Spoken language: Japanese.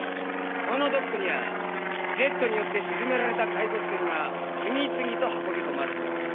このドックにはＺによって沈められた海賊船が次々と運びこまれてる。